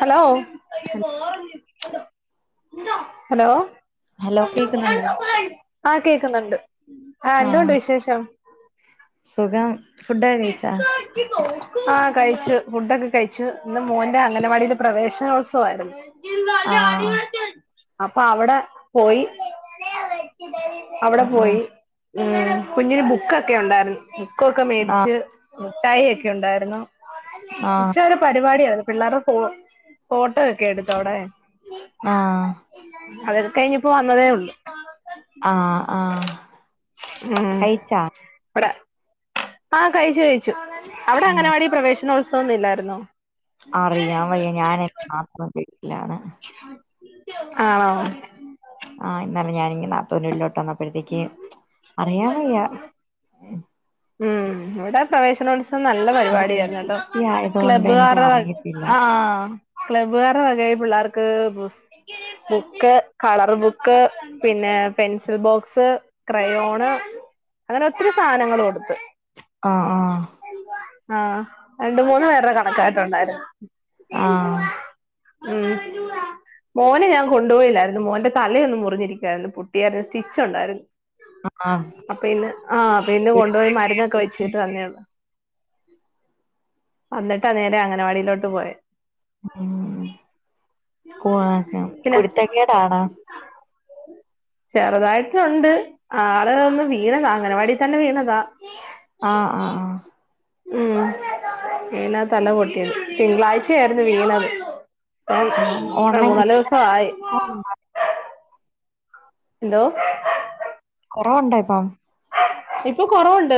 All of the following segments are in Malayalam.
ഹലോ ഹലോ ഹലോ കേക്കുന്നുണ്ടോ ആ കേക്കുന്നുണ്ട് ആ എന്തുണ്ട് ആഹ് വിശേഷം സുഖം ഫുഡക്കകയിച്ചാ ആഹ് കഴിച്ചു ഫുഡൊക്കെ കഴിച്ചു. ഇന്ന് മോന്റെ അംഗനവാടിൽ പ്രവേശനോത്സവാരുന്നു ആഹ് അപ്പൊ അവിടെ പോയി അവിടെ ആഹ് പോയി ഉ കുഞ്ഞിന് ബുക്കൊക്കെ ഉണ്ടാരുന്നു ബുക്കൊക്കെ ആഹ് മേടിച്ച് മുഠായി ഒക്കെ ഒണ്ടായിരുന്നു. ആഹ് ഇച്ചാലം രിപാടിയ പിള്ളേരുടെ ഫൊ ഫോട്ടോ ഒക്കെ എടുത്തു അവിടെ ആ അതൊക്കഴിഞ്ഞിപ്പോ വന്നതേള്ളൂ ആഹ് ആഹ് കയിച്ചാ ആ കയിച്ചു കയിച്ചു. അവിടെ അങ്ങനവാടി പ്രവേശനോത്സ സൊന്നുല്ലായിരുന്നോ അറിയാൻവയ്യ ഞാനൻ ആത്മ ല്ലാണ് ആണോ ആ ഇന്നല ഞാനിഞ്ഞി നാത്തൂന്‍റീട്ടിലോട്ടന്നപ അപ്പോഴത്തേക്ക് അറിയാൻ വയ്യ ഉം ഇവിടെ പ്രവേശനോത്സ നല്ല ഇത് പരിപാടിയായിരുന്നൂട്ടോ സിറ്റി ആയതുകൊണ്ട് എനിക്ക് ക്ലബ്ബുകാരുടെ അറിയത്തില്ല ആ ക്ലബ്ബുകാരുടെ വകയിപിള്ളേർക്ക് ക്ക് ബുക്ക് കളർ ബുക്ക് പിന്നെ പെൻസിൽ ബോക്സ് സ് ക്രയോണ് അങ്ങനെ ഒത്തിരി സാനങ്ങൾ കൊടുത്ത് ആ ആഹ് ആഹ് രണ്ട് മൂന്ന് പേരുടെ കണക്കായിട്ടുണ്ടാരുന്നു ആഹ് എന്തുവാ ഉം മോനെ ഞാൻ കൊണ്ടുപോയില്ലായിരുന്നു മോന്റെ തലയൊന്ന് മുറിഞ്ഞിരിക്കാരുന്നു പൊട്ടിയായിരുന്നു [unintelligible] സ്റ്റി ച്ചുണ്ടായിരുന്നു ആഹ് അപ്പൊ ഇന്ന് ആഹ് അപ്പൊ ഇന്ന് കൊണ്ടുപോയി മരുന്നൊക്കെ വെച്ചിട്ട് വന്നയാണ് വന്നിട്ടാ നേരെ അംഗനവാടിയിലോട്ട് പോയെ ഉം പിന്നെ കുരുത്തക്കേടാണ് ചെറുതായിട്ട് ഉണ്ട് ആളൊന്ന് വീണതാ അംഗനവാടി തന്നെ വീണതാ ആ ആ ആ ഉം വീണാ തല പൊട്ടിയത് തിങ്കളാഴ്ച ആയിരുന്നു വീണത് ആഹ് ആ ഓൺലൈൻ മൂന്നാല് ഇപ്പ എങ്ങനെ ദിവസം ആയി എന്തോ കൊറവുണ്ടോ ഇപ്പം ഇപ്പൊ കൊറവുണ്ട്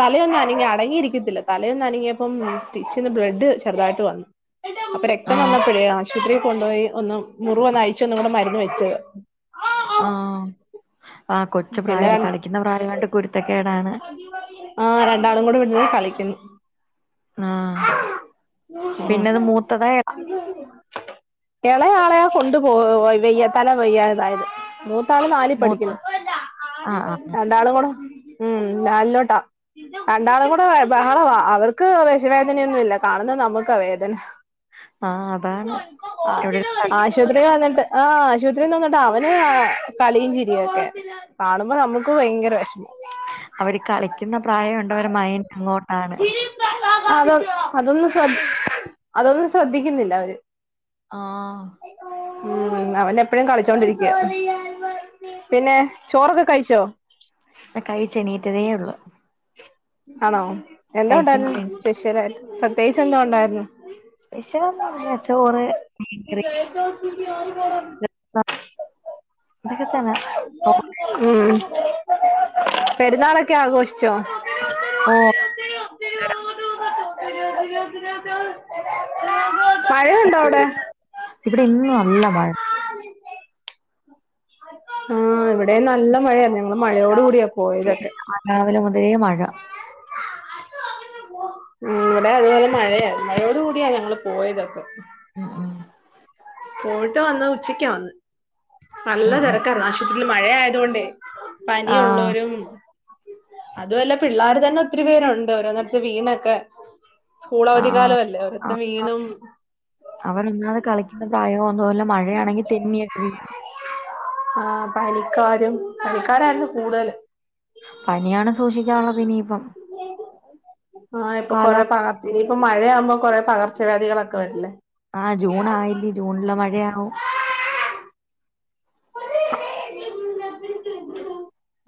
തലയൊന്നും അനങ്ങി അടങ്ങിയിരിക്കത്തില്ല തലൊയൊന്ന് അനങ്ങിയപ്പം സ്റ്റിച്ച്ന്ന് ബ്ലഡ്‌ ചെറുതായിട്ട് വന്നു അപ്പൊ രക്തം ആഹ് വന്നപ്പഴെ ആശുപത്രിയിൽ കൊണ്ടുപോയി ഒന്ന് മുറിവൊന്ന് അഴിച്ച് ഒന്ന് കൂടെ മരുന്ന് വെച്ച് ആ ആ കൊച്ചു പിന്നെ പ്രായല്ലേ കളിക്കുന്ന പ്രായായോണ്ട് കുരുത്ത ആ രണ്ടാളും കൂടെ ഇവിടിരുന്നു കളിക്കുന്നു ആഹ് ഉം പിന്നെത് മൂത്തതാ എ ഇളയാളയാ കൊണ്ടു പോ വെയ്യ തല വയ്യതായത് ത്ത ആള് നാലിൽ മൂത്ത് പഠിക്കുന്നു ആഹ് ആഹ് രണ്ടാളും കൂടെ ഉം നാലിലോട്ടാ രണ്ടാളും കൂടെ ബഹളവാ അവർക്ക് വിഷ വേദനയൊന്നൂല്ല കാണുന്ന നമുക്കാ വേദന ആഹ് ആഹ് അതാണ് എവിടെ ആശുപത്രി വന്നിട്ട് ആ ആശുപ ത്രി വന്നിട്ട് അവന് കളിയും ചിരിയൊക്കെ കാണുമ്പോ നമുക്ക് ഭയങ്കര വെഷമം അവര് കളിക്കുന്ന പ്രായുണ്ടവര് മൈൻ അങ്ങോട്ടാണ് അതൊ അതൊന്നും ശ്ര അതൊന്നും ശ്രദ്ധിക്കുന്നില്ല അവര് ആ ഉം അവന് എപ്പഴും കളിച്ചോണ്ടിരിക്കാ പിന്നെ ചോറൊക്കെ കഴിച്ചോ കഴിച്ചെണീറ്റതെ ഒള്ളു ആണോ എന്നാ ഉണ്ടാരുന്നു എണീ സ്പെഷ്യൽ ആയിട്ട് പ്രത്യേകിച്ച് എന്തോ ഉണ്ടായിരുന്നു സ്പെഷ്യൽ ഒന്നുംല്ല ചോറ് ഉം മീൻകറി ഇതൊക്കെ തന്നെ പെരുന്നാളൊക്കെ ആഘോഷിച്ചോ ഓഹ് [unintelligible] [inaudible] മഴയുണ്ടോ അവിടെ ഇവിടെ ഇന്നു നല്ല മഴ ആ ഇവി ഇവിടെ നല്ല മഴയ ഞങ്ങൾ മഴയോട് രാവിലെ കൂടിയാ മുതലേ പോയതൊക്കെ [unintelligible] മഴ ഉം വിടെ അതുപോലെ മഴയാ മഴയോടികൂടിയഞങ്ങൾ പോയതക്കെ ഉം ഉം ഫോട്ടോ വന്നാ ഉച്ചക്കാന്ന് ഉം ഉം മഴയായതോണ്ടെ പനി ആഹ് ഉള്ളോരും അതുഅല്ല പിള്ളാര് തന്നൊത്തിരി പേരുണ്ട് [unintelligible] സ്കൂളവധി ആഹ് കാലവല്ലേ ആ ഓരൊത്തെ വീണും തുവല്ല മഴയാണെങ്കി തെന്നിയക്ക വീഴു ആ പനിക്കാരും പനിക്കാരായിരുന്നു കൂടുതല് പനിയാണ് സൂഷിക്കാനുള്ളതിനിയിപ്പം ആ ഇപ്പൊ കാലാ കൊറെ പാർത്തിന് മഴയാവുമ്പോ കൊറെ പകർച്ചവ്യാദികളൊക്കെ വരില്ലേ ആ ജൂണായ്യില്ലീ ജൂൺല മഴയാവും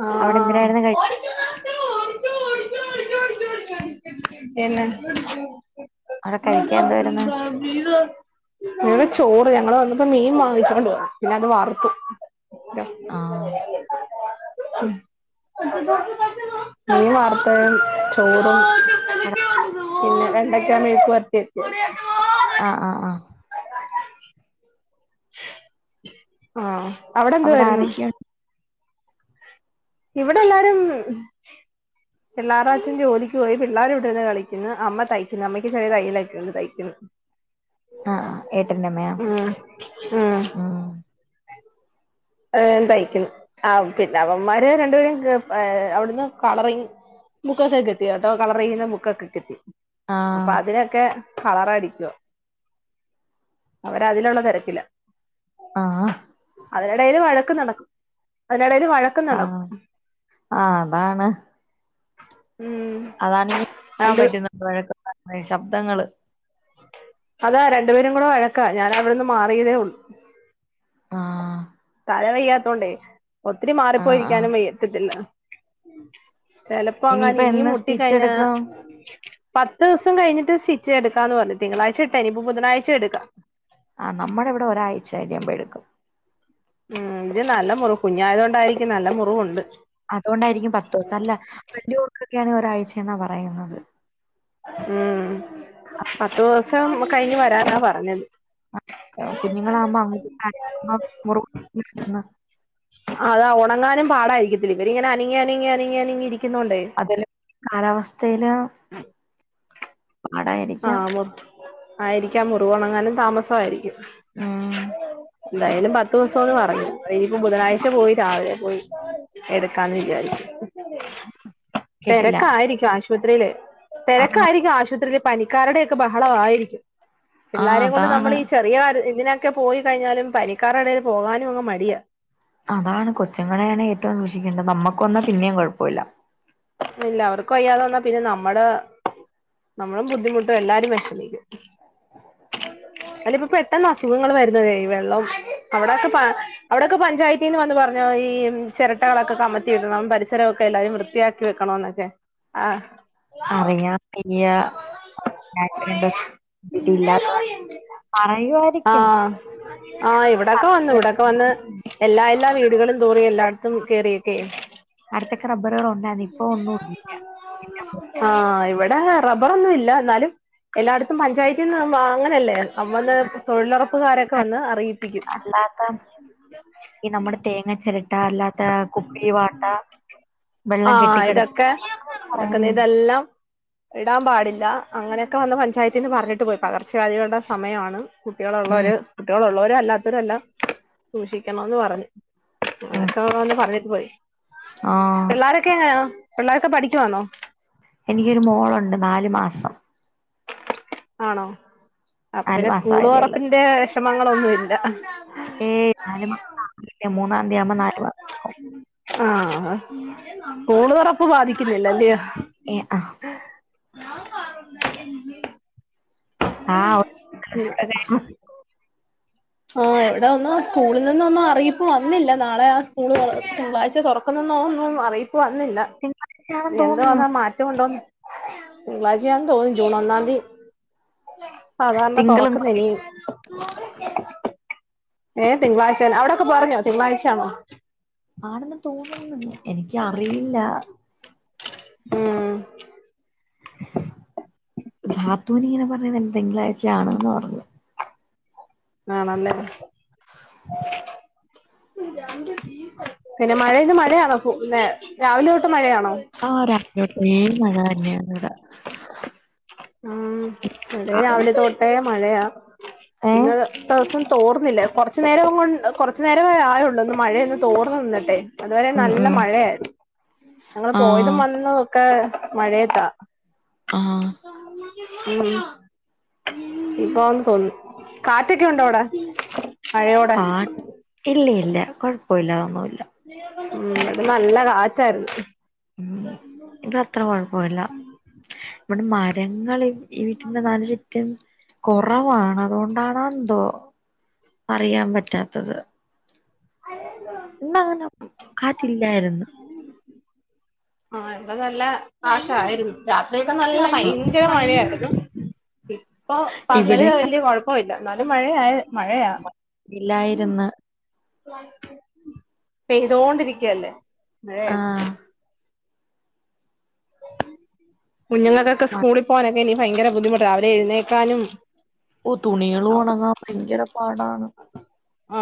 ആ ആ അവിടെന്തിനായിരുന്നു കഴി പിന്ന [unintelligible] അവിടെ കഴിക്കാൻ എന്തുവായിരുന്നു ഞങ്ങള് വന്നപ്പോ മീൻ വാങ്ങിച്ച [unintelligible] പിന്നത് വറുത്ത് ദ ആ മീൻ വർത്തതും ചോറും [unintelligible] പിന്നെ വെണ്ടയ്ക്കാ മെഴുക്ക് പേര്ട്ടി [unintelligible] ആ ആ ആ ആ അവിടെ എന്തുവാരുന്നു? ഇവിടെല്ലാരും പിള്ളേർടച്ഛൻ ജോലിക്ക് പോയി, പിള്ളേരുവിടിരുന്ന് കളിക്കുന്ന്, അമ്മ തയ്ക്കുന്ന്, അമ്മയ്ക്ക് ചെറിയ തയ്യലൊക്കെണ്ട് തയ്ക്കുന്ന്. ആ ആ ഏട്ടന്റമ്മയാ ഉം ഏ തയ്ക്കും. ആ പിന്നവന്മാര് രണ്ടുപേരും, ക് ഏഹ്, അവിടുന്ന് കളറിങ്ങ് ബുക്കൊക്കെ കിട്ടി കേട്ടോ കളറെയ്യുന്ന ബുക്കൊക്കെ കിട്ടി. ആ പ്പൊ അതിനൊക്കെ കളറടിക്കുവ. അവരതിലുള്ള തെരക്കില ആ അതിന് ടേല് വഴക്ക് നടക്കു- ടേല് വഴക്ക് ആ നടക്കും [inaudible] ഉം അതാണെകിൽ കേക്കാൻ രണ്ട് പറ്റുന്ന പ്രായ [unintelligible] ശബ്ദങ്ങള് അതാ രണ്ടു പേരും കൂടെ വഴക്കാ ഞാൻ അവിടെന്ന് മാറിയതേ ഉള്ളു ആഹ് തല വെയ്യാത്തോണ്ടേ ഒത്തിരി ആ മാറിപ്പോയിരിക്കാനും വയ്ക്കത്തിഇല്ല [inaudible] ചെലപ്പോ അങ്ങാൻ ഇനിയിപ്പ ഇനിയും എന്ന് സ്റ്റിച്ച് മുട്ടിക്കഴിഞ്ഞ എടുക്കും പത്ത് ദിവസം കഴിഞ്ഞിട്ട് സ്റ്റിച്ച് എടുക്കും ക്കാന്ന് പറഞ്ഞ തിങ്കളഴ്ചയിട്ടെ ഇനിപ്പോ ബുധനാഴ്ച്ചയെടുക്കാം ആ നമ്മുടെ ഇവിടെ ഒരാഴ്ചായിയുമ്പോഴെടുക്കും ഉം ഇത് നല്ല മുറ് കുഞ്ഞായത് കൊണ്ടായിരിക്കും നല്ല മുറുവുണ്ട് അതുകൊണ്ടായിരിക്കും പത്തോസം അല്ല വല്യോർക് ക്കാണെങ്കി ഒരാഴ്ചെന്നാ പറയുന്നത് ഉം പത്തു ദിവസം കഴിഞ്ഞ് വരാ നാ പറഞ്ഞത് കുഞ്ഞുങ്ങളാമ്പോ [unintelligible] അതാ ഉണങ്ങാനും പാടായിരിക്കത്തില്ലേ ഇവരിങ്ങനെ അനങ്ങി അനങ്ങി അനങ്ങി അനങ്ങിരി അതെ ലെ കാലാവസ്ഥ വസ്ഥയില് [inaudible] ആഹ് ആയിരിക്കാം മുറിവോണങ്ങാനും താമസമായിരിക്കും ആഹ് എന്തായാലും പത്ത് ദിവസം [unintelligible] ഇനിയിപ്പോ ബുധനാഴ്ച പോയി രാവിലെ പോയി എടു ക്കാന്ന് വിചാരിച്ച് കേട്ടില്ല തിരക്കായിരിക്കും ആ സ ആശുപത്രിയില് ആ തിരക്കായിരിക്കും ആശുപത്രിൽ പനിക്കാരുടെക്കെ ബഹളവായിരിക്കും ആ പിള്ളാരെയും കൊണ്ട് നമ്മൾ അതാണ് ഈ ചെറിയ കാര്യ ഇതി ക്ക പോയി കഴിഞ്ഞാലും പനിക്കാരടെ എടേൽ പോകാനും അങ്ങ് മടിയാ അതാണ് കൊച്ചുങ്ങളെയാണ് ഏറ്റവും സൂക്ഷിക്കേണ്ടത് നമ്മക്ക് വന്നാൽ പിന്നെയും കുഴപ്പമില്ല ഇല്ല അവർക്കും അയ്യാതെ വന്നാ പിന്നെ നമ്മുടെ നമ്മളും ബുദ്ധിമുട്ടും എല്ലാരും വിഷമിക്കും അല്ല ഇപ്പോ പെട്ടെന്ന് അസുഖങ്ങൾ വരുന്നതേ ഈ വെള്ളം അവിടെക്കെ അവിടെയൊക്കെ പഞ്ചായത്തിന്ന് വന്ന് പറഞ്ഞോ ഈ ചിരട്ടകളൊക്കെ കമത്തി വിടണം പരിസരമൊക്കെ എല്ലാവരും വൃത്തിയാക്കി വെക്കണോന്നൊക്കെ ആഹ് അറിയത്തില്യ ഇതില്ലാത്തോണ്ട് പറയുവായിരിക്കും ആഹ് ആഹ് ഇവിടൊക്കെ വന്നു ഇവിടൊക്കെ വന്ന് എല്ലാ എല്ലാ വീടുകളും തോറി എല്ലായിടത്തും അടുത്തൊക്കെ റ ആ ഇവിടെ റബ്ബറൊന്നും ഇല്ല എന്നാലും എല്ലായിടത്തും പഞ്ചായത്തിൽ നിന്ന് വാങ്ങലല്ലേ അമ്മന്ന് തൊഴിലുറപ്പുകാരൊക്കെ വന്ന് അറിയിപ്പിക്കും അല്ലാത്ത ഈ നമ്മുടെ തേങ്ങ ചിരട്ട അല്ലാത്ത കുപ്പി വാട്ട ആ വെള്ളം ഇതൊക്കെ കെട്ടിക്കിടക്കില്ല അതൊക്കെ ഒന്ന് അതക്ക പറയും ഇതെല്ലാം ഇടാൻ പാടില്ല അങ്ങനെയൊക്കെ വന്ന് പഞ്ചായത്തിന്ന് പറഞ്ഞിട്ട് പോയി പകർച്ചവ്യാധികളുടെ സമയമാണ് ഉം കുട്ടികളുള്ളവര് കുട്ടികളുള്ളവർ അല്ലാത്തരല്ലാം സൂക്ഷിക്കണംന്ന് പറഞ്ഞു ഉം ന്ന് പറഞ്ഞട്ട് പോയി ആഹ് പിള്ളാരൊക്കെ എങ്ങനാ പിള്ളേരൊക്കെ പഠിക്കുവാണോ? എനിക്കൊരു മോളുണ്ട് നാലു മാസം ആണോ അപ്പൊ നാലു പിന്നെ മാസം സ്കൂൾ ആയതേ ഉള്ളൂ തുറപ്പിന്റെ വിശ മങ്ങളൊന്നും ഇല്ല ഏയ് നാലുമാസമായില്ല മൂന്ന് മാസം ആഹ സ്കൂള് തുറപ്പ് ബാധിക്കുന്നില്ല അല്ലയോ ഏ ആ [inaudible] ആ [unintelligible] ആ ഇവിടെ ഒന്നും സ്കൂളിൽ നിന്ന് ഒന്നും അറിയിപ്പ് വന്നില്ല നാളെ ആ സ്കൂൾ തിങ്കളാഴ്ച തുറക്കുന്നന്നോ ഒുന്നും അറിയിപ്പ- വന്നില്ല തിങ്കളാഴ്ചയാണെന്ന് തോന്നുന്നു എന്തോവാന്നാ മാറ്റം ഒണ്ടോന്ന് തിങ്കളാഴ്ചയാണെന്ന് തോന്നുന്നു ജൂൺ ഒന്നാംന്തി സാധാരണ തിങ്കളും തുറക്കുന്ന കൂടി ഇനിയും ഏ തിങ്കളാഴ്ച തന്നെ അവിടൊക്കെ പറഞ്ഞോ തിങ്കളാഴ്ചയാണോ ആണെന്ന് തോന്നുന്നു എനിക്ക് അറിയില്ല ഉം നാത്തുന് ഇങ്ങനെ പറഞ്ഞത് തിങ്കളാഴ്ച ആണെന്ന് പറഞ്ഞു ആാണ്ന്ന് പറഞ്ഞത് ആഹ് ണല്ലേ? മഴയിന്ന് മഴയാണ് രാവിലെ തൊട്ട് മഴയാണോ ആഹ് രാവിലെതൊട്ടേ മഴ തന്നെയ [unintelligible] ഉം അതെ രാവിലെ തോട്ടേ മഴയാ ഇന്ന ഏഹ് ഇത്ര ദിവസം മഴയാ ഇന്നത്തെ ദിവസം തോർന്നില്ല കുറച്ചു നേരമേ ആയള്ളൂ ഒന്ന് മഴയൊന്ന് തോർന്ന നിന്നട്ടെ അതുവരെ ഉം നല്ല ഉം മഴയായിരുന്നു. ഞങ്ങള് പോയതും ആഹ് വന്നതും ഒക്കെ മഴയത്ത ആഹ ഉം ഇപ്പൊന്ന് തോന്നണ് കാറ്റൊക്കെ ഉണ്ടോ അവിടെ? മഴയോടെ കാ [unintelligible] ഇല്ല ഇല്ല. കുഴപ്പോല്ല ഉം അത് നല്ല കാറ്റാരുന്നു. ഉം ഇവിടെ അത്ര കൊഴപ്പല്ല. ഇവിടെ മരങ്ങള് ഈ വീട്ടിന്റെ നാല് ചുറ്റും കുറവാണ്. അതുകൊണ്ടാണോ എന്തോ അറിയാൻ പറ്റാത്തത്. ഇന്നങ്ങനെ കാറ്റില്ലായിരുന്നു. ആഹ ഇവിടെ നല്ല കാറ്റായിരുന്നു. രാത്രിയൊക്കെ നല്ല ആ ഭയങ്കര മഴയാണ്. [inaudible] ഇപ്പൊ പകല് വല്യ കുഴപ്പൊല്ല. എന്നാലും മഴയായ്. മ ഇല്ലായിര്ന്ന്. പെയ്തോണ്ടിരിക്കയല്ലേ ആഹ് [unintelligible] [inaudible] കുഞ്ഞുങ്ങൾക്കൊക്കെ മഴ സ്കൂളിൽ പോവ [unintelligible] ഭയങ്കര ബുദ്ധിമുട്ട് രാവിലെ എഴ്ന്നേക്കാനും ഓ തുണികള് ഒണങ്ങാൻ ഭയങ്കര പാടാണ്.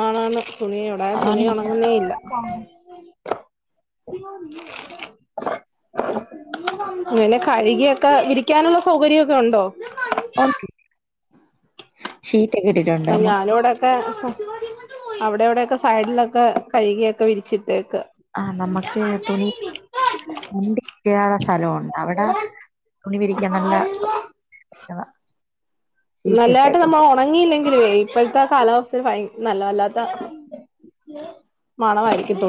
ആണാണ്. തുണി ഇവിടെ തുണി അതാണ് ഏറ്റവും ഉണങ്ങുന്നേ ഇല്ല. പാട് അങ്ങനെ കഴുകിയൊക്കെ വിരിക്കാനുള്ള സൗകര്യോക്കെ ഉണ്ടോ? ഒണക്കി ആ നമ്മ ഞാനോടൊക്കെ അവിടെ എവിടെൊക്കെ സൈഡിലൊക്കെ കഴുകിയൊക്കെ വിരിച്ചിട്ട് ആഹ് നമുക്ക് തുണി നണ്ടി കിട്ടിയ സ്ഥലമണ്ട് അവിടെ തുണി വിരിക്കൻ നല്ല താ നല്ലതായിട്ട് നമ്മൾ ഉണങ്ങിയില്ലെങ്കിൽ വേ ഇപ്പോഴത്തെ കാലാവസ്ഥൽ ഭയ നല്ല വല്ലാത്ത മണവായിരിക്കും തുണി